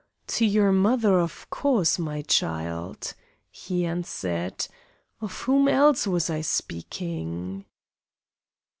"To your mother, of course, my child," he answered; "of whom else was I speaking?"